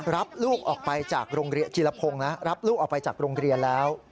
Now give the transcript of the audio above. รับลูกออกไปจากโรงเรียนจีรพงศ์นะรับลูกออกไปจากโรงเรียนแล้ว